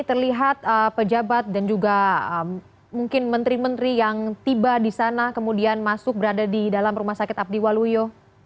terlihat pejabat dan juga mungkin menteri menteri yang tiba di sana kemudian masuk berada di dalam rumah sakit abdi waluyo